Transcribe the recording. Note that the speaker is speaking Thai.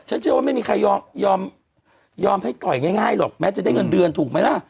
เชื่อว่าไม่มีใครยอมให้ต่อยง่ายหรอกแม้จะได้เงินเดือนถูกไหมล่ะ